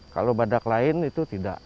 kalau badak lain itu tidak